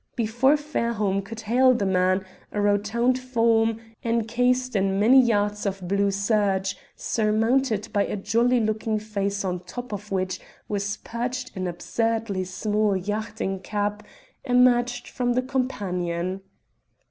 Before Fairholme could hail the man, a rotund form, encased in many yards of blue serge, surmounted by a jolly looking face on top of which was perched an absurdly small yachting cap, emerged from the companion.